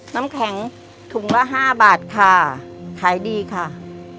น้ำแข็งถุงละ๕บาทค่ะขายดีค่ะ